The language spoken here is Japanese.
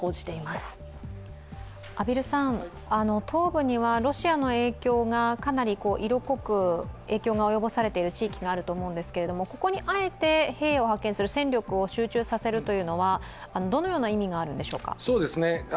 東部にはロシアの影響がかなり色濃く及ぼされている地域があると思うんですけど、ここにあえて、兵を派遣する戦力を集中させるというのはどのような意味があるんでしょうか。